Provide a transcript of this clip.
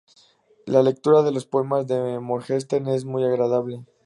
La lectura de los poemas de Morgenstern es muy agradable.